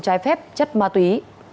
trái phép chất ma túy